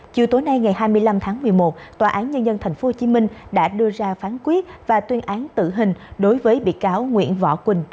chiều tối nay ngày hai mươi năm tháng một mươi một tòa án nhân dân tp hcm đã đưa ra phán quyết và tuyên án tử hình đối với bị cáo nguyễn võ